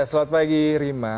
selamat pagi rima